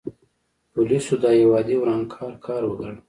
پولیسو دا یو عادي ورانکار کار وګاڼه.